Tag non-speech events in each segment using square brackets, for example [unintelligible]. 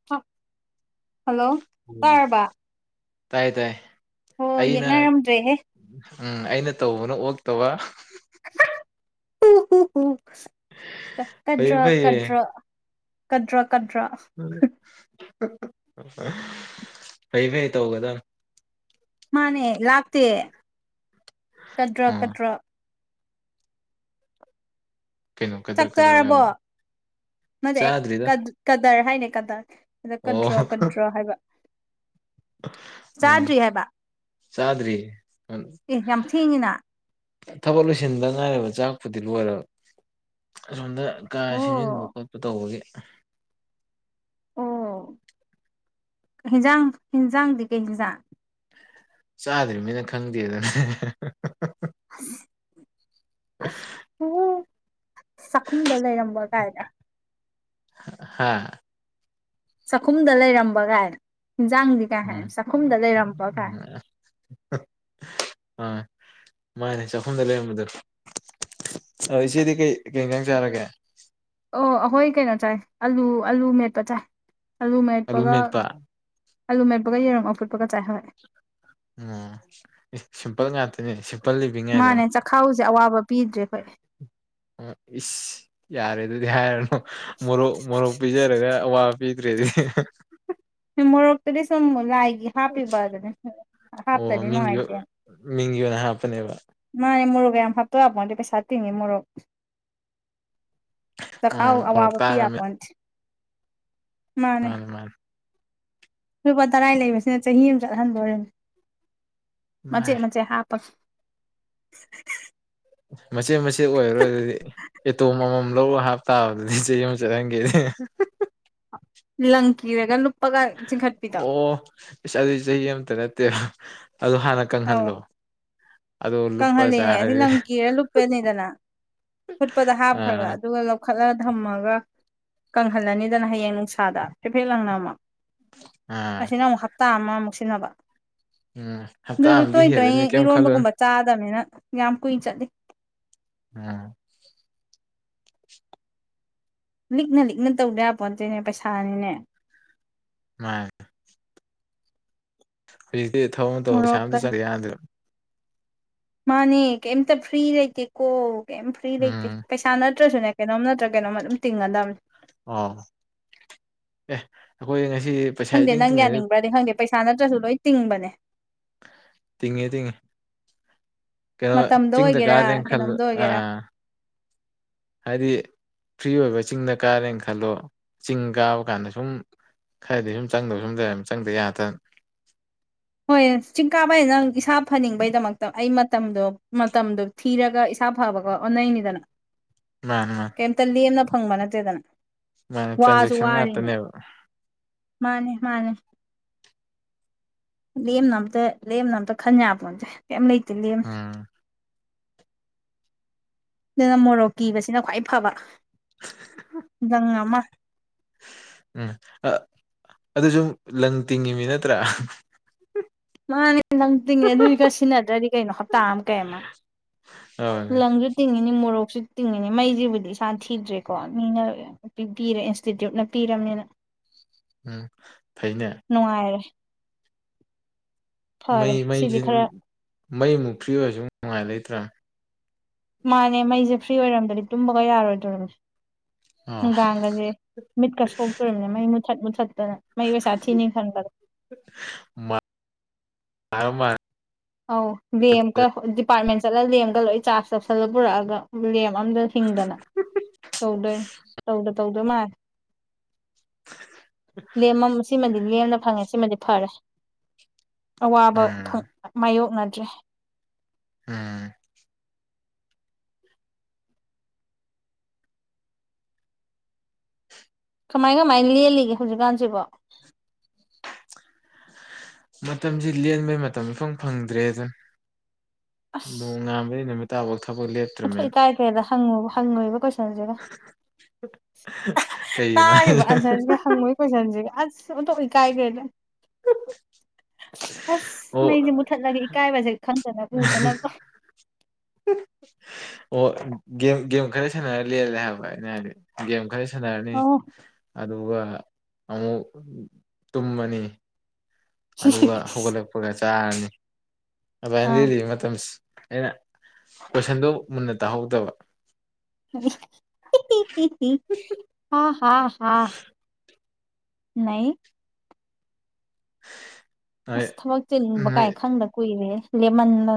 ꯎ ꯑꯗꯨꯅ ꯇꯥꯏ ꯇꯥꯏ ꯍꯣ ꯑꯩꯅ ꯌꯦꯡꯅꯔꯝꯗ꯭ꯔꯦꯍꯦ ꯎꯝ ꯑꯩꯅ ꯇꯧꯕꯅ ꯑꯣꯛꯇꯕ ꯐꯩꯌꯦ ꯀꯗ꯭ꯔ ꯐꯩꯌꯦ ꯀꯗ꯭ꯔ ꯀꯗ꯭ꯔꯥ ꯀꯗ꯭ꯔꯥ ꯐꯩ ꯐꯩ ꯇꯧꯒꯗ ꯃꯥꯅꯦ ꯂꯥꯛꯇꯦ ꯀꯗ꯭ꯔꯥ ꯎꯝ ꯀꯗ꯭ꯔꯥ ꯀꯩꯅꯣ ꯀꯩꯗꯧ ꯆꯥꯛ ꯀꯩꯗꯧꯔꯒꯦ ꯆꯔꯕꯣ ꯍꯥꯏꯕ ꯃꯗꯤ ꯆꯥꯗ꯭ꯔꯤꯗ ꯀꯗꯔ ꯍꯥꯏꯅꯦ ꯀꯗꯔ ꯑꯗ ꯑꯣ ꯀꯟꯇ꯭ꯔ ꯀꯟꯇ꯭ꯔ ꯍꯥꯏꯕ ꯎꯝ ꯆꯥꯗ꯭ꯔꯤ ꯍꯥꯏꯕ ꯆꯗ꯭ꯔꯤ ꯑꯦ ꯌꯥꯝ ꯊꯦꯡꯉꯤꯅ ꯊꯕꯛ ꯂꯣꯏꯁꯤꯟꯗ ꯉꯥꯏꯔꯕ ꯆꯥꯛꯄꯨꯗꯤ ꯂꯣꯏꯔꯕ ꯑꯁꯣꯝꯗ ꯀꯥ ꯁꯦꯝꯖꯤꯟꯕ ꯑꯣ ꯈꯣꯠꯄ ꯇꯧꯕꯒꯤ ꯑꯣ ꯍꯤꯟꯖꯥꯡ ꯍꯤꯟꯖꯥꯡꯗꯤ ꯀꯩ ꯍꯦꯟꯖꯥꯡ ꯆꯥꯗ꯭ꯔꯤꯕ ꯃꯤꯅ ꯈꯪꯗꯦꯗꯅꯦ ꯑꯁ ꯑꯁ ꯎ ꯆꯥꯛꯈꯨꯝꯗ ꯂꯩꯔꯝꯕ ꯀꯥꯏꯅ ꯍꯥ ꯆꯥꯛꯈꯨꯝꯗ ꯂꯩꯔꯝꯕꯒꯥꯏ ꯌꯦꯟꯖꯥꯡꯗꯤ ꯀꯥꯏ ꯍꯥꯏ ꯎꯝ ꯆꯥꯛꯈꯨꯝꯗ ꯂꯩꯔꯝꯕꯒꯥꯏ ꯎꯝ ꯑꯥ ꯃꯥꯅꯦ ꯆꯥꯛꯈꯨꯝꯗ ꯂꯩꯔꯝꯕꯗ ꯑ ꯏꯆꯦꯗꯤ ꯀꯩ ꯀꯩꯒꯥꯡ ꯆꯥꯔꯒꯦ ꯑꯣ ꯑꯩꯈꯣꯏ ꯀꯩꯅꯣ ꯆꯥꯏ ꯑꯂꯨ ꯑꯥꯂꯨ ꯃꯦꯠꯄ ꯆꯥꯏ ꯑꯂꯨ ꯃꯦꯠꯄꯒ ꯑꯂꯨꯦꯞꯒ ꯌꯦꯔꯣꯒꯐꯨꯠꯄꯒ ꯆꯥꯏꯍꯧꯋꯦ ꯎꯝ ꯁꯤꯝꯄꯜ ꯉꯥꯛꯇꯅꯦ ꯁꯤꯝꯄꯜ ꯂꯤꯕꯤꯉꯥꯏꯗ ꯃꯥꯅꯦ ꯆꯈꯥꯎꯁꯦ ꯑꯋꯥꯕ ꯄꯤꯗ꯭ꯔꯦ ꯑꯩꯈꯣꯏ ꯑ ꯏꯁ ꯌꯥꯔꯦ ꯑꯗꯨꯗꯤ ꯍꯥꯏꯔꯅꯨ ꯃꯣꯔꯣꯛ ꯃꯣꯔꯣꯛ ꯄꯤꯖꯔꯒ ꯑꯋꯥ ꯄ ꯑꯗꯨ꯭ꯔꯦ [unintelligible] ꯃꯔꯇꯗꯤ ꯁꯪꯃ ꯂꯥꯏꯒꯦ ꯍꯥꯄꯤꯕꯥꯔꯗꯤ ꯑꯣ ꯍꯥꯞꯇꯗ ꯅꯣ ꯃꯤꯡꯒꯤ ꯍꯥꯏꯥꯏꯇ ꯃꯤꯡꯒꯤ ꯑꯣꯏꯅ ꯍꯥꯞꯄꯅꯦꯕ ꯃꯥꯅꯦ ꯃꯔꯒ ꯌꯥꯝ ꯍꯥꯞꯇ ꯍꯥꯕꯄꯗ ꯄꯩꯁꯥꯇꯤꯅꯤ ꯃꯔꯒ ꯎꯝ ꯇꯥꯎ ꯃꯣꯔꯣꯛ ꯑꯋꯥꯕ ꯄꯌꯥ ꯇꯥꯡꯉ ꯄꯟꯁꯤ ꯑ ꯃꯥ ꯂꯨꯄꯥ ꯇꯔꯥꯏ ꯂꯩꯕꯁꯤꯅ ꯆꯍꯤ ꯑꯃ ꯆꯠꯍꯟꯗꯣꯔꯤꯕꯅꯦ ꯃꯆꯦꯠ ꯃꯥꯏ ꯃꯆꯦꯠ ꯍꯥꯞꯄꯒ [inaudible] ꯃꯆꯦꯠ ꯃꯆꯦꯠ ꯑꯣꯏꯔꯣꯏ ꯑꯗꯨꯗꯤ ꯑꯦꯇꯣꯝ ꯑꯃꯃꯝ ꯂꯧ ꯍꯥꯞꯇꯥꯕꯗꯗꯤ ꯆꯍꯤ ꯑꯃꯨꯛ ꯆꯠꯔꯟꯒꯦꯗꯤ ꯂꯪꯀꯤꯔꯦꯒ ꯑꯣ ꯏꯁ ꯑꯗꯨꯏ ꯆꯍꯤ ꯑꯃꯇ ꯅꯠꯇꯦꯕ ꯑꯗꯨ ꯍꯥꯟꯅ ꯑꯧ ꯀꯪꯍꯜꯂꯣ ꯑꯗꯣ ꯂꯨꯞꯄ ꯀꯪꯍꯜꯂꯤꯅꯦ ꯑꯁꯤ ꯆꯥꯔꯗꯤ ꯂꯝꯪ ꯀꯤꯔ ꯂꯨꯞꯄꯅꯤꯗꯅ ꯐꯨꯠꯄꯗ ꯍꯥꯞꯈ꯭ꯔꯒ ꯑꯥ ꯑꯗꯨꯒ ꯄꯨꯈꯠꯂ ꯊꯝꯃꯒ ꯀꯪꯍꯜꯂꯅꯤꯗꯅ ꯍꯌꯦꯡ ꯅꯨꯡꯁꯥꯗ ꯍꯥꯏꯩꯐꯦꯠ ꯂꯥꯡꯅꯃꯛ ꯑꯥ ꯑꯁꯤꯅ ꯑꯃꯨꯛ ꯍꯞꯇꯥ ꯑꯃꯃꯨꯛ ꯁꯤꯟꯅꯕ ꯎꯝ ꯍꯞꯇꯥ ꯑꯗꯨꯁꯨ ꯑꯃꯗꯤ ꯇꯣꯏꯅ ꯇꯣꯏ ꯍꯦꯜꯂꯅꯤ ꯀꯩꯝ ꯈꯜꯂꯨꯅꯨ ꯏꯔꯣꯟꯕꯒꯨꯝꯕ ꯆꯥꯗꯕꯅꯤꯅ ꯌꯥꯝ ꯀꯨꯏꯅ ꯆꯠꯂꯤ ꯎꯝ ꯂꯤꯛꯅ ꯂꯤꯛꯅ ꯇꯧꯗ ꯌꯥ ꯄꯣꯠꯇꯣꯏꯅꯦ ꯄꯩꯁꯥꯅꯤꯅꯦ ꯎꯝ ꯍꯧꯖꯤꯛꯇꯤ ꯊꯕ ꯑꯃ ꯃꯣꯔꯣꯛꯀ ꯇꯧꯕꯁꯥꯝꯇ ꯆꯠꯂ ꯌꯥꯗ꯭ꯔꯕ ꯃꯥꯅꯦ ꯀꯩꯝꯇ ꯐ꯭ꯔꯤ ꯂꯩꯇꯦ ꯀꯣ ꯀꯩꯝ ꯐ꯭ꯔꯤ ꯂꯩꯇꯦ ꯎꯝ ꯄꯩꯁꯥ ꯏꯁꯥ ꯅꯠꯇ꯭ꯔꯁꯨꯅꯦ ꯀꯩꯅꯣꯝ ꯅꯠꯇ꯭ꯔꯒ ꯀꯩꯅꯣꯝꯃ ꯑꯗꯨꯝ ꯇꯤꯡꯒꯗꯕꯅꯦ ꯑꯣ ꯑꯦ ꯑꯩꯈꯣꯏ ꯉꯁꯤ ꯄꯩꯁꯥ ꯈꯪꯗꯦ ꯏꯇꯤꯡ ꯅꯪ ꯇꯤꯡꯅꯔꯦ ꯌꯥꯅꯤꯡꯕ꯭ꯔꯗꯤ ꯈꯪꯗꯦ ꯄꯩꯁꯥ ꯅꯠꯇ꯭ꯔꯁꯨ ꯂꯣꯏ ꯇꯤꯡꯕꯅꯦ ꯇꯤꯡꯉꯤ ꯇꯤꯡꯉꯤ ꯀꯩꯅꯣ ꯃꯇꯝꯗ ꯆꯤꯡꯗ ꯑꯣꯏꯒꯦꯔꯥ ꯀꯥꯔꯦꯅ ꯈꯜꯂ ꯀꯩꯅꯣꯝꯗ ꯑ ꯑꯣꯏꯒꯦꯔꯥ ꯍꯥꯏꯗꯤ ꯐ꯭ꯔꯤ ꯑꯣꯏꯕ ꯆꯤꯡꯗ ꯀꯥꯔꯦꯅ ꯈꯜꯂꯣ ꯆꯤꯡ ꯀꯥꯕ ꯀꯥꯟꯗ ꯁꯨꯝ ꯍꯥꯏꯗꯤ ꯁꯨꯝ ꯆꯪꯗꯧꯕ ꯜ ꯁꯨꯝ ꯂꯩꯔꯕꯅꯦ ꯆꯪꯗ ꯌꯥꯗꯕꯅꯦ ꯍꯣꯏ ꯆꯤꯡ ꯀꯥꯕꯩ ꯅꯪ ꯏꯁꯥ ꯐꯅꯤꯡꯕꯩꯗꯃꯛꯇ ꯑꯩ ꯃꯇꯝꯗꯣ ꯃꯇꯝꯗꯣ ꯊꯤꯔꯒ ꯏꯁꯥ ꯐꯕꯀꯣ ꯑꯣꯟꯅꯩꯅꯤꯗꯅ ꯃꯥꯅꯤ ꯃꯥꯅꯤ ꯀꯩꯝꯇ ꯂꯦꯝꯅ ꯐꯪꯕ ꯅꯠꯇꯦꯗꯅ ꯃꯥꯅꯤ ꯋꯥꯁꯨ ꯇ꯭ꯔꯥꯟꯖꯦꯛꯁꯟ ꯋꯥꯔꯤꯅꯦ ꯉꯥꯛꯇꯅꯦꯕ ꯃꯥꯅꯦ ꯃꯥꯅꯦ ꯂꯦꯝꯅ ꯑꯝꯇ ꯂꯦꯝꯅ ꯑꯝꯇ ꯈꯟ ꯌꯥꯄꯣꯟꯇꯦ ꯀꯩꯝ ꯂꯩꯇꯦ ꯂꯦꯝꯅ ꯎꯝ ꯑꯗꯨꯅ ꯃꯣꯔꯣꯛ ꯀꯤꯕꯁꯤꯅ ꯈ꯭ꯋꯥꯏ ꯐꯕ ꯒꯪ ꯑꯃ ꯎꯝ ꯑꯗꯨꯁꯨ ꯂꯪ ꯇꯤꯡꯉꯤꯃꯤ ꯅꯠꯇ꯭ꯔꯥ ꯃꯥꯅꯦ ꯅꯪ ꯇꯤꯡꯅꯦ ꯑꯗꯨꯏꯒ ꯁꯤꯖꯤꯟꯅꯗ꯭ꯔꯗꯤ ꯀꯩꯅꯣ ꯍꯞꯇꯥ ꯑꯃ ꯀꯩ ꯑꯃ ꯍꯣꯏ ꯂꯪꯁꯨ ꯇꯤꯡꯉꯤꯅꯤ ꯃꯣꯔꯣꯛꯁꯨ ꯇꯤꯡꯉꯤꯅꯤ ꯃꯩꯁꯤꯕꯨꯗꯤ ꯏꯁꯥ ꯊꯤꯗ꯭ꯔꯦꯀꯣ ꯃꯤꯅ ꯄꯤ ꯄꯔꯦ ꯏꯟꯁꯇꯤꯇ꯭ꯌꯨꯠꯅ ꯄꯤꯔꯕꯅꯤꯅ ꯎꯝ ꯐꯩꯅꯦ ꯅꯨꯡꯉꯥꯏꯔꯦ ꯐꯔꯦ ꯃꯩ ꯁꯤꯗꯤ ꯃꯩꯁꯤ ꯈꯔ ꯃꯩꯃꯨꯛ ꯐ꯭ꯔꯤ ꯑꯣꯏꯔꯁꯨ ꯅꯨꯡꯉꯥꯏ ꯂꯩꯇ꯭ꯔꯥ ꯃꯥꯅꯦ ꯃꯩꯁꯦ ꯐ꯭ꯔꯤ ꯑꯣꯏꯔꯝꯗꯗꯤ ꯇꯨꯝꯕꯒ ꯌꯥꯔꯣꯏꯗꯔ ꯑ ꯅꯨꯡꯗꯥꯡꯒꯁꯦ ꯃꯤꯠꯀ ꯁꯣꯛꯇꯣꯔꯤꯕꯅꯤ ꯃꯩ ꯃꯨꯊꯠ ꯃꯨꯊꯠꯇꯅ ꯃꯩ ꯄꯩꯁꯥꯊꯤꯅꯤ ꯈꯟꯕꯗ ꯃꯥ ꯑꯧ ꯂꯦꯝꯀ ꯗꯤꯄꯥꯔꯠꯃꯦꯟ ꯆꯠꯂꯒ ꯂꯦꯝꯒ ꯂꯣꯏ ꯆꯥꯔꯖ ꯆꯥꯎꯞꯁꯤꯜꯂ ꯄꯨꯔꯛꯑꯒ ꯂꯦꯝ ꯑꯝꯇ ꯍꯤꯡꯗꯅ ꯇꯧꯗꯣꯏ ꯇꯧꯗ ꯇꯧꯗꯣꯏ ꯃꯥꯂ ꯂꯦꯝ ꯁꯤꯃꯗꯤ ꯂꯦꯝꯅ ꯐꯪꯉꯦ ꯁꯤꯃꯗꯤ ꯐꯔꯦ ꯑꯋꯥꯕ ꯎꯝ ꯃꯥꯏꯌꯣꯛꯅꯗ꯭ꯔꯦ ꯑꯝ ꯀꯃꯥꯏ ꯀꯃꯥꯏꯅ ꯂꯦꯜꯂꯤꯒꯦ ꯍꯧꯖꯤꯛꯀꯥꯟꯁꯤꯕꯣ ꯃꯇꯝꯁꯤ ꯂꯦꯟꯕꯩ ꯃꯇꯝ ꯏꯐꯪ ꯐꯪꯗ꯭ꯔꯦ ꯑꯗꯨꯅ ꯅꯣꯡ ꯉꯥꯝꯕꯗꯩꯩ ꯅꯨꯃꯤꯠ ꯇꯥꯐꯧ ꯊꯕꯛ ꯂꯦꯞꯄ ꯑꯊꯣꯛ ꯏꯀꯥꯏꯈ꯭ꯔꯦꯗ ꯍꯪꯉꯨ ꯍꯪꯉꯣꯏꯕ ꯀꯣꯏꯁꯟꯁꯤꯒ ꯀꯩꯒꯤꯅꯣ ꯇꯥꯔꯤꯕ ꯍꯥꯏꯁꯦ ꯑꯟꯁꯔꯁꯤꯒ ꯍꯪꯉꯨꯏ ꯀꯣꯏꯁꯟꯖꯦ ꯑꯁ ꯑꯣꯟꯊꯣꯛꯅ ꯏꯀꯥꯏ ꯑꯣ ꯑꯁ ꯃꯩꯁꯦ ꯃꯨꯊꯠꯂꯒ ꯏꯀꯥꯏꯕꯁꯦ ꯈꯪꯗꯅꯕ ꯎꯗꯅꯕ [unintelligible] ꯑꯣ ꯒꯦꯝ ꯒꯦꯝ ꯈꯔ ꯁꯥꯟꯅꯔ ꯂꯦꯜꯂꯦ ꯍꯥꯏꯕ ꯑꯩꯅ ꯍꯥꯏꯗꯤ ꯒꯦꯝ ꯈꯔ ꯁꯥꯟꯅꯔꯅꯤ ꯑꯣ ꯑꯗꯨꯒ ꯑꯃꯨꯛ ꯇꯨꯝꯃꯅꯤ ꯑꯗꯨꯒ ꯍꯧꯒꯠꯂꯛꯄꯒ ꯆꯥꯔꯅꯤ ꯑꯗꯨ ꯑꯩꯅ ꯂꯤꯜꯂꯤ ꯃꯇꯝꯁꯤ ꯑꯩꯅ ꯀꯣꯏꯁꯟꯗꯣ ꯃꯨꯟꯅ ꯇꯥꯍꯧꯗꯕ ꯍꯥ ꯍ ꯍꯥ ꯅꯩ ꯅꯣꯏ ꯑꯁ ꯊꯕꯛ ꯆꯤꯟꯕ ꯅꯣꯏ ꯀꯥꯏ ꯈꯪꯗ ꯀꯨꯏꯔꯦ ꯂꯦꯃꯟꯗ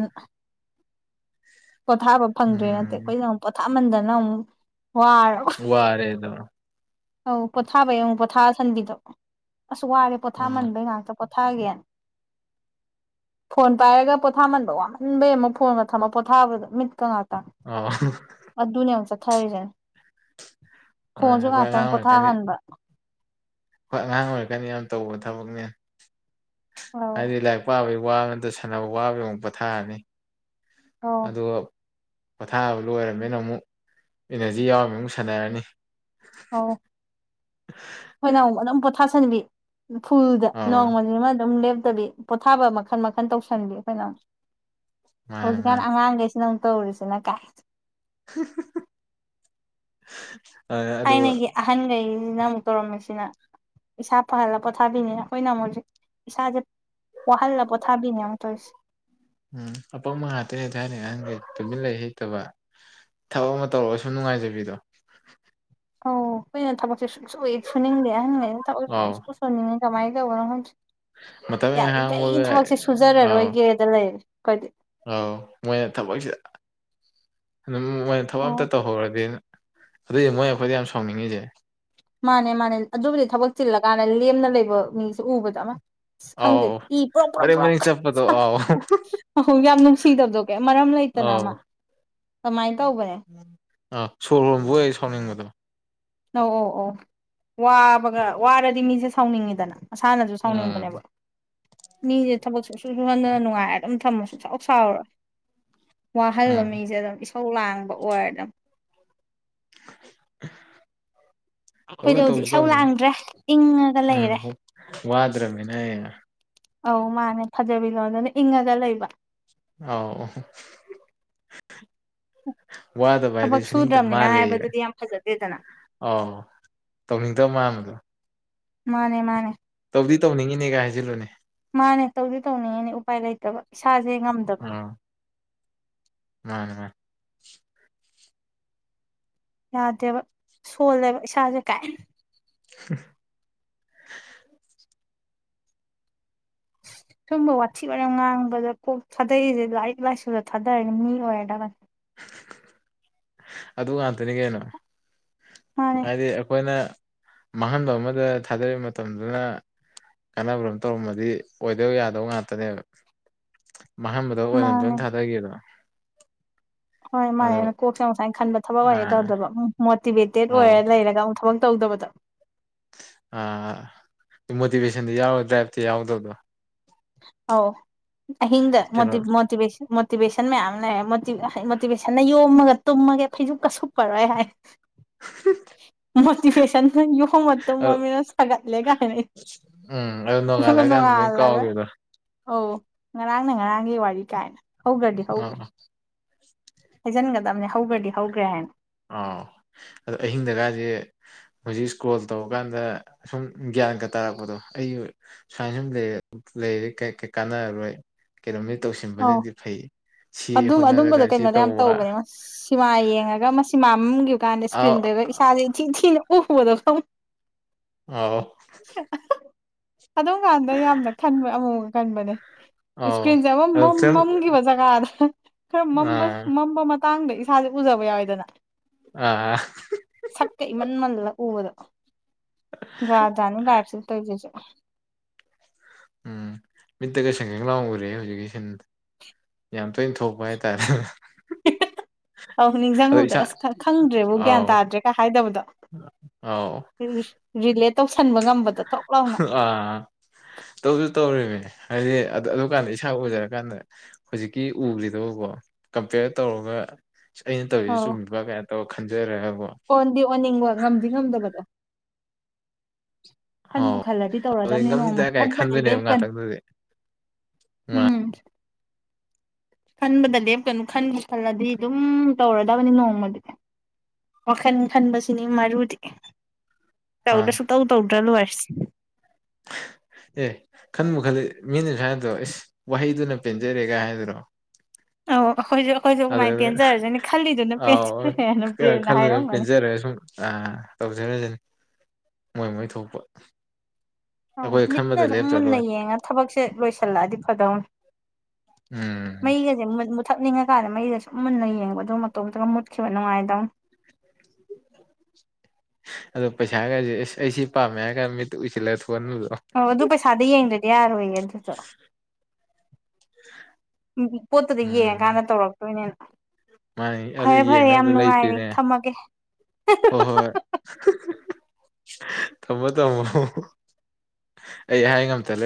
ꯄꯣꯊꯥꯕ ꯐꯪꯗ꯭ꯔꯣꯏ ꯅꯠꯇꯦ ꯎꯝ ꯑꯩꯈꯣꯏꯗ ꯑꯃꯨꯛ ꯄꯣꯊꯥꯃꯟꯗꯅ ꯑꯃꯨꯛ ꯋꯥꯔꯣ ꯋꯥꯔꯦꯗ ꯑꯧ ꯄꯣꯊꯥꯕꯩ ꯑꯃꯨꯛ ꯄꯣꯊꯥꯁꯟꯕꯤꯗꯣ ꯑꯁ ꯋꯥꯔꯦ ꯑꯥ ꯄꯣꯊꯥꯃꯟꯕꯩ ꯉꯥꯛꯇ ꯄꯣꯊꯥꯒꯦꯅ ꯐꯣꯟ ꯄꯥꯏꯔꯒ ꯄꯣꯊꯥꯃꯟꯕ ꯋꯥꯃꯟꯕꯩ ꯑꯃ ꯐꯣꯟꯒ ꯊꯝꯃ ꯄꯣꯊꯥꯕꯗꯣ ꯃꯤꯠꯀ ꯉꯥꯛꯇ ꯑ ꯑ ꯑꯗꯨꯅꯆꯥ ꯊꯔꯖ ꯑ ꯌꯥꯦ ꯑ ꯍꯥꯟꯕ ꯍꯣꯏ ꯑꯉꯥꯡ ꯑꯣꯏꯔꯀꯅꯤ ꯌꯥꯝ ꯇꯧꯕ ꯊꯕꯛꯅꯦ ꯑꯧ ꯍꯥꯏꯗꯤ ꯂꯥꯏꯔꯤꯛ ꯄꯥꯕꯒꯤ ꯋꯥꯕ ꯅꯠꯇ꯭ꯔ ꯁꯥꯟꯅꯕ ꯋꯥꯕ ꯑꯃꯨꯛ ꯄꯣꯊꯥꯔꯅꯤ ꯑꯧ ꯑꯗ ꯄꯣꯊꯥꯕ ꯂꯣꯏꯔꯕꯅꯤꯅ ꯑꯃꯨꯛ ꯏꯅꯔꯖꯤ ꯌꯥꯎꯔꯝꯅꯤꯅ ꯑꯃꯨꯛ ꯁꯥꯟꯅꯔꯅꯤ ꯑꯣꯧ ꯑꯩꯈꯣꯏꯅ ꯑꯃꯨꯛ ꯑꯗꯨꯝ ꯄꯣꯊꯥꯁꯟꯕꯤ ꯐꯨꯜꯗ ꯑꯧ ꯅꯣꯡꯃꯅꯤꯃ ꯑꯗꯨꯝ ꯂꯦꯞꯇꯕꯤ ꯄꯣꯊꯥꯕ ꯃꯈꯟ ꯃꯈꯜ ꯇꯧꯁꯟꯕꯤ ꯑꯩꯈꯣꯏꯅ ꯃꯥꯅꯦ ꯃꯥꯅꯦ ꯍꯧꯖꯤꯛꯀꯥꯟ ꯑꯉꯥꯡꯈꯩꯁꯤꯅ ꯑꯃꯨꯛ ꯇꯧꯔꯤꯁꯤꯅ ꯀꯥꯏ [unintelligible] ꯑꯗꯨꯒ ꯑꯩꯅꯒꯤ ꯑꯍꯟꯈꯩꯁꯤꯅ ꯑꯃꯨꯛ ꯇꯧꯔꯝꯃꯤꯁꯤꯅ ꯏꯁꯥ ꯄꯍꯜꯂꯒ ꯄꯣꯊꯥꯕꯤꯅꯤꯅ ꯑꯩꯈꯣꯏꯅ ꯑꯃꯨꯛꯖꯤꯛ ꯏꯁꯥꯁꯦ ꯋꯥꯍꯜꯂ ꯄꯣꯊꯥꯕꯤꯅꯦ ꯑꯃꯨꯛ ꯇꯧꯔꯤꯁꯦ ꯎꯝ ꯑꯄꯝꯕ ꯉꯥꯛꯇ ꯍꯥꯏꯇꯥꯔꯦ ꯅꯍꯥꯟꯒꯤꯦ ꯇꯨꯖꯤꯟꯂ ꯍꯩꯇꯕ ꯊꯛ ꯑꯃ ꯇꯧꯔꯒ ꯁꯨꯝ ꯅꯨꯡꯉꯥꯏꯖꯕꯤꯗꯣ ꯑꯧ ꯑꯩꯨꯏꯅ ꯊꯕꯛꯁꯦ ꯁꯨꯡꯁꯨ ꯁꯨꯅꯤꯡꯗꯦ ꯍꯪꯉꯅ ꯑꯧ ꯊꯕꯛ ꯁꯣꯟꯅꯤꯡꯉꯦ ꯀꯃꯥꯏꯅ ꯇꯧꯕꯅꯣ ꯍꯪ ꯃꯇꯝ ꯍꯦꯛ ꯌꯥꯔꯤ ꯀꯩ ꯍꯥꯡꯕꯒ ꯊꯕꯛꯁꯦ ꯑꯧ ꯁꯨꯖꯔꯔꯣꯏꯒꯦ ꯀꯣꯏ ꯑꯧ ꯃꯣꯏꯅ ꯊꯕꯛꯁꯤꯗ ꯑꯗꯨꯝ ꯃꯣꯏꯅ ꯊꯕꯛ ꯑꯝꯇ ꯇꯧꯍꯧ꯭ꯔꯗꯤ ꯑꯗꯨꯑꯣꯏꯗꯤ ꯃꯣꯏ ꯑꯩꯈꯣꯏꯗ ꯌꯥꯝ ꯁꯥꯎꯅꯤꯡꯉꯤꯁꯦ ꯃꯥꯅꯦ ꯃꯥꯅꯦ ꯑꯗꯨꯕꯨꯗꯤ ꯊꯕꯛ ꯆꯤꯜꯂꯀꯥꯟꯗ ꯂꯦꯝꯅ ꯂꯩꯕ ꯃꯤꯁꯦ ꯎꯕꯗ ꯑꯃ ꯈꯪꯗꯦ ꯑꯧ ꯏ ꯄ꯭ꯔꯣꯛ ꯃꯔꯦꯡ ꯄ꯭ꯔꯣꯛ ꯃꯔꯦꯡ ꯆꯠꯄꯗꯣ ꯑꯧ ꯄ꯭ꯔꯣꯛ ꯌꯥꯝ ꯅꯨꯡꯁꯤꯗꯕꯗꯣ ꯃꯔꯝ ꯂꯩꯇꯅ ꯑꯃ ꯑꯧ ꯀꯃꯥꯏꯅ ꯇꯧꯕꯅꯦ ꯑꯧ ꯁꯣꯔ ꯍꯣꯟꯕꯨ ꯑꯩ ꯁꯥꯎꯅꯤꯡꯕꯗꯣ ꯑꯧ ꯑꯧ ꯑꯣꯧ ꯋꯥꯕꯒ ꯋꯥꯔꯗꯤ ꯃꯤꯁꯦ ꯁꯥꯎꯅꯤꯡꯉꯤꯗꯅ ꯃꯁꯥꯅꯁꯨ ꯁꯥꯎꯅꯤꯡꯕꯅꯦꯕ ꯎꯝ ꯃꯤꯁꯦ ꯊꯕꯛ ꯁ ꯁ ꯁꯨ ꯍꯟꯗꯅ ꯅꯨꯡꯉꯥꯏꯔ ꯑꯗꯨꯝ ꯊꯝꯃꯁꯨ ꯆꯥꯎꯥꯎ ꯁꯥꯎꯔꯣꯏ ꯋꯥꯍꯜꯂꯣ ꯎꯝ ꯃꯤꯁꯦ ꯑꯗꯨꯝ ꯏꯁꯧ ꯂꯥꯡꯕ ꯑꯣꯏꯔ ꯑꯗꯨꯝ ꯇꯧꯁꯨ ꯑꯩꯈꯣꯏꯗꯣ ꯍꯧꯖꯤꯛ ꯇꯧꯁꯨ ꯏꯁꯧ ꯇꯧꯅꯤ ꯂꯥꯡꯗ꯭ꯔꯦ ꯏꯪꯉꯒ ꯂꯩꯔꯦ ꯋꯥꯗ꯭ꯔꯃꯤꯅꯦ ꯑꯧ ꯃꯥꯅꯦ ꯐꯖꯕꯤ ꯂꯣꯗꯅ ꯏꯪꯉꯒ ꯂꯩꯕ ꯑꯥꯎ ꯋꯥꯗ ꯊꯕꯛ ꯚꯥꯏꯗꯁꯨꯨꯅꯤꯡꯇ ꯁꯨꯗ꯭ꯔꯕꯅꯤꯅ ꯃꯥꯂꯌꯦ ꯍꯥꯏꯕꯗꯨꯗꯤ ꯌꯥꯝ ꯐꯖꯗꯦꯗꯅ ꯑꯥꯎ ꯇꯧꯅꯤꯡꯗꯕ ꯃꯥꯟꯕꯗꯣ ꯃꯥꯅꯦ ꯃꯥꯅꯦ ꯇꯧꯗꯤ ꯇꯧꯅꯤꯡꯉꯤꯅꯦꯒ ꯍꯥꯏꯁꯤꯜꯂꯨꯅꯦ ꯃꯥꯅꯦ ꯇꯧꯗꯤ ꯇꯧꯅꯤꯡꯉꯤꯅꯦ ꯎꯄꯥꯏ ꯂꯩꯇꯕ ꯏꯁꯥꯁꯦ ꯉꯝꯗ ꯑ ꯅ ꯌꯥꯗꯦꯕ ꯁꯣꯜꯂꯦꯕ ꯏꯁꯥꯁꯦ ꯀꯥꯏ ꯎ [inaudible] ꯁꯨꯝꯕ ꯋꯥꯊꯤ ꯑꯣꯏꯔ ꯉꯥꯡꯕꯗ ꯀꯣꯛ ꯊꯥꯗꯩꯛꯔꯤꯁꯦ ꯂꯥꯏꯔꯤꯛ ꯂꯥꯏꯁꯨꯗ ꯊꯥꯗꯔꯒ ꯃꯤ ꯑꯣꯏꯔꯗꯕ ꯑꯗꯨ ꯉꯥꯛꯇꯅꯤ ꯀꯩꯅꯣ ꯃꯥꯅꯦ ꯍꯥꯏꯗꯤ ꯑꯩꯈꯣꯏꯅ ꯃꯥꯡꯍꯟꯕ ꯑꯃꯗ ꯊꯥꯗꯔꯤꯕ ꯃꯇꯝꯗꯨꯅ ꯀꯥꯟꯅꯕ꯭ꯔ ꯑꯃ ꯇꯧꯔꯝꯃꯗꯤ ꯑꯣꯏꯗꯧ ꯌꯥꯗꯧ ꯉꯥꯛꯇꯅꯦꯕ ꯃꯥꯡꯟꯕꯗ ꯑꯣꯏꯅ ꯃꯥꯅꯦ ꯂꯣꯏꯅ ꯊꯥꯗꯈꯤꯕꯗꯣ ꯍꯣꯏ ꯑꯗꯣ ꯃꯥꯅꯦꯅ ꯀꯣꯛꯁꯦ ꯉꯁꯥꯏꯅ ꯈꯟꯕ ꯊꯕꯛ ꯑꯣꯏꯅ ꯑꯥ ꯇꯧꯗꯕ ꯑꯃ ꯃꯣꯇꯤꯚꯦꯇꯦꯠ ꯑꯧ ꯑꯣꯏꯔ ꯂꯩꯔꯒ ꯑꯃꯨꯛ ꯊꯕꯛ ꯇꯧꯗꯕꯗꯣ ꯑꯥ ꯃꯣꯇꯤꯚꯦꯁꯟꯗꯤ ꯌꯥꯎꯔ ꯗ꯭ꯔꯥꯏꯕꯇꯤ ꯌꯥꯎꯗꯕꯗꯣ ꯑꯥꯎ ꯑꯍꯤꯡ ꯀꯩꯅꯣ ꯃꯣꯇꯤꯕ ꯃꯣꯇꯚꯦꯁꯟ ꯃꯣꯇꯤꯚꯦꯁꯟ ꯃꯌꯥꯝ ꯂꯩ ꯃꯣꯇꯤꯚꯦꯁꯟꯅ ꯌꯣꯝꯃꯒ ꯇꯨꯝꯃꯒ ꯐꯩꯖꯨꯞ ꯀꯩꯁꯨ ꯁꯨꯞꯄꯔꯣꯏ ꯍꯥꯏ [inaudible] ꯃꯣꯇꯤꯚꯦꯁꯟ ꯌꯣꯝ ꯃꯒ ꯑ ꯇꯨꯝꯃꯥꯕꯅꯤꯅꯥ ꯁꯒꯠꯂꯦ ꯀꯥꯏ ꯎꯝ ꯑ ꯑꯗꯨ ꯇꯣꯡꯉꯜꯂ ꯀꯥꯎꯕ ꯑꯣ ꯉꯔꯥꯡꯅ ꯉꯔꯥꯡꯒꯤ ꯋꯥꯔꯤ ꯀꯥꯏꯅ ꯍꯧꯈ꯭ꯔꯗꯤ ꯑꯥ ꯍꯧꯈ꯭ꯔꯦ ꯑꯥ ꯍꯩꯖꯤꯟꯒꯗꯕꯅꯦ ꯍꯧꯕ꯭ꯔꯗꯤ ꯍꯧꯈ꯭ꯔꯦ ꯍꯥꯏꯅ ꯑꯥꯎ ꯑꯗꯣ ꯑꯍꯤꯡꯗꯀꯁꯦ ꯍꯧꯖꯤꯛ ꯏꯁꯀꯣꯜ ꯇꯧꯕ ꯀꯥꯟꯗ ꯁꯨꯝ ꯒ꯭ꯌꯥꯟꯒ ꯇꯥꯔꯛꯄꯗꯣ ꯑꯩꯁꯨ ꯁꯥꯏꯅꯁꯨꯝ ꯂꯩꯔꯦ ꯀꯥꯟꯅꯔꯔꯣꯏ ꯀꯩꯅꯣꯝꯗꯤ ꯑꯧ ꯇꯧꯁꯤꯟꯕꯅꯗꯤ ꯐꯩ ꯁꯤ ꯑꯗꯨꯝ ꯑꯗꯨꯝꯕꯗꯣ ꯍꯣꯠꯅꯔꯒ ꯁꯤ ꯀꯩꯅꯣꯗ ꯌꯥꯝ ꯇꯧꯕ ꯇꯧꯕꯅꯦ ꯁꯤꯃꯥ ꯌꯦꯡꯉꯒ ꯑꯃ ꯁꯤꯃ ꯃꯝꯈꯤꯕ ꯀꯥꯟꯗ ꯑꯥꯎ ꯏꯁꯀ꯭ꯔꯤꯟꯗꯒ ꯏꯁꯥꯁꯦ ꯏꯊꯤ ꯊꯤꯅ ꯎꯕꯗꯣ ꯑꯣ ꯑꯗꯨꯝ ꯀꯥꯟꯗ ꯌꯥꯝꯅ ꯈꯟꯕ ꯑꯃꯨꯛ ꯑꯃꯨꯛ ꯈꯟꯕꯅꯦ ꯑꯥꯎ ꯏꯁꯀ꯭ꯔꯤꯟꯁꯦ ꯑꯃꯨꯛ ꯑꯗꯨ ꯐꯤꯂꯝ ꯃꯝꯈꯤꯕ ꯖꯒꯥꯗ ꯈꯔ ꯑꯥ ꯃꯝꯕ ꯃꯇꯥꯡꯗ ꯏꯁꯥꯁꯦ ꯎꯖꯕ ꯌꯥꯎꯋꯦꯗꯅ ꯑꯥ ꯁꯛꯀ ꯏꯃꯟꯃꯜꯂ ꯎꯕꯗꯣ ꯔꯥꯖꯥꯅꯤ ꯂꯥꯏꯄꯁꯤꯗ ꯇꯧꯔꯤꯁꯦ ꯎꯝ ꯃꯤꯠꯇ ꯁꯦꯡ ꯁꯦꯡ ꯂꯥꯎꯔꯒ ꯎꯔꯦ ꯍꯧꯖꯤꯛ ꯌꯥꯝ ꯇꯣꯏꯅ ꯊꯣꯛꯄ ꯍꯥꯏꯇꯥꯔꯦ ꯑꯧ ꯑꯗꯣ ꯅꯤꯡꯁꯤꯡꯉꯨꯕꯗ ꯏꯁꯥ ꯑꯁ ꯈꯪꯗ꯭ꯔꯦꯕ ꯒ꯭ꯌꯥꯟ ꯑꯥꯎ ꯇꯥꯗ꯭ꯔꯦ ꯀ ꯍꯥꯏꯗꯕꯗꯣ ꯑꯥꯎ ꯔꯤꯂꯦꯠ ꯇꯧꯁꯟꯕ ꯉꯝꯕꯗꯣ ꯊꯣꯛ ꯂꯥꯎꯅ ꯑꯥ ꯇꯧꯁꯨ ꯇꯧꯔꯤꯕꯅꯦ ꯍꯥꯏꯗꯤ ꯑꯗꯨ ꯀꯥꯟꯗ ꯏꯁꯥ ꯎꯖꯔꯀꯥꯟꯗ ꯍꯧꯖꯤꯛꯀꯤ ꯎꯕ꯭ꯔꯤꯗꯣꯀꯣ ꯀꯝꯄꯤꯌꯔ ꯇꯧꯔꯒ ꯑꯩꯅ ꯇꯧꯔꯤꯁꯤ ꯑꯧ ꯆꯨꯝꯃꯤꯄꯥ ꯀꯥꯏ ꯇꯧꯔ ꯈꯟꯖꯔ ꯍꯥꯏꯕꯣ ꯑꯣꯟꯗꯤ ꯑꯣꯟꯅꯤꯡꯕ ꯉꯝꯗꯤ ꯉꯝꯗꯕꯗꯣ ꯈꯟꯕꯨ ꯍꯥꯎ ꯈꯜꯂꯗꯤ ꯑꯗꯨꯗꯤ ꯇꯧꯔꯗꯝꯕꯅꯤ ꯅꯣꯡꯃ ꯉꯝꯅꯤꯗ ꯀꯥꯏ ꯈꯟꯕꯗꯤ ꯈꯟꯗꯣꯏꯅꯦꯕ ꯂꯦꯞꯀꯅꯣ ꯉꯥꯛꯇꯪꯗꯨꯗꯤ ꯃꯥ ꯎꯝ ꯈꯟꯕꯗ ꯂꯦꯞꯀꯅꯨ ꯈꯟꯕ ꯈꯜꯂꯗꯤ ꯑꯗꯨꯝ ꯇꯧꯔꯗꯕꯅꯤ ꯅꯣꯡꯃꯗꯤ ꯋꯥꯈꯜ ꯈꯟꯕꯁꯤꯅꯤ ꯃꯔꯨꯗꯤ ꯃꯥ ꯇꯧꯗ ꯁꯨꯛꯇꯧ ꯇꯧꯗ꯭ꯔ ꯂꯣꯏꯔꯁꯤ ꯑꯦ ꯈꯟꯕꯨ ꯈꯜꯂꯗꯤ ꯃꯤꯅ ꯍꯥꯏꯗꯣ ꯑꯦꯁ ꯋꯥꯍꯩꯗꯨꯅ ꯄꯦꯟꯖꯔꯦꯒ ꯍꯥꯏꯗꯨꯅꯣ [inaudible] ꯑꯣ ꯑꯩꯈꯣꯏꯁꯨ ꯑꯩꯈꯣꯏꯁꯨ ꯀꯃꯥꯏꯅ ꯄꯦꯟꯖꯔꯁꯅꯤ ꯈꯜꯂꯤꯗꯨꯅ ꯑꯥꯎ ꯄꯦꯟꯖꯔꯦꯅ ꯕ꯭ꯔꯦꯟꯅ ꯍꯥꯏꯔꯝꯒꯅꯤ ꯑꯥ ꯇꯧꯁꯔꯁꯤꯅꯤ ꯃꯣꯏ ꯃꯣꯏ ꯊꯣꯛꯄ ꯑ ꯑꯩꯈꯣꯏ ꯃꯤꯠꯅ ꯈꯟꯕꯗ ꯁꯨꯝ ꯂꯦꯞꯇ꯭ꯔ ꯃꯨꯟꯅ ꯂꯣꯏꯔꯦ ꯌꯦꯡꯉ ꯊꯕꯛꯁꯦ ꯂꯣꯏꯁꯤꯜꯂꯛꯑꯗꯤ ꯐꯗꯧꯅꯤ ꯎꯝ ꯃꯩꯒꯁꯦ ꯃꯨꯠꯊꯠꯅꯤꯡꯉꯀꯥꯟꯗ ꯃꯩꯒ ꯁꯨꯝ ꯃꯨꯟꯅ ꯌꯦꯡꯕ ꯑꯗꯨ ꯃꯇꯣꯝꯇꯒ ꯃꯨꯠꯈꯤꯕ ꯉꯥꯏꯗꯧꯅꯤ ꯑꯗꯣ ꯄꯩꯁꯥ ꯈꯁꯦ ꯑꯁ ꯑꯩ ꯁꯤ ꯄꯥꯝꯃꯦ ꯍꯥꯏꯔꯒꯥꯟ ꯃꯤꯠꯇ ꯎꯏꯁꯤꯜꯂ ꯊꯣꯛꯍꯟꯕꯗꯣ ꯑꯣ ꯑꯗꯨ ꯄꯩꯁꯥꯗꯤ ꯌꯦꯡꯗ꯭ꯔꯗꯤ ꯌꯥꯔꯣꯏꯌꯦ ꯑꯗꯨꯗꯣ [inaudible] ꯎ ꯄꯣꯠꯇꯨꯗ ꯎꯝ ꯌꯦꯡꯉꯀꯥꯟꯗ ꯇꯧꯔꯛꯇꯣꯏꯅꯤꯅ ꯃꯥꯅꯤ ꯑꯗꯨ ꯐꯔꯦ ꯐꯔꯦ ꯌꯥꯝ ꯌꯦꯡꯅꯕꯗꯨ ꯅꯨꯡꯉꯥꯏꯔꯦ ꯂꯩꯇꯦꯅꯦ ꯊꯝꯃꯒꯦ ꯍꯣꯏ ꯍꯣꯏ ꯊꯝꯃꯣ ꯇꯝꯃꯣ ꯑꯩ ꯍꯥꯏ ꯉꯃꯗ ꯂꯩ